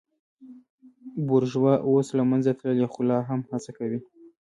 بورژوا اوس له منځه تللې خو لا هم هڅه کوي.